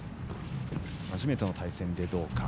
初めての対戦で、どうか。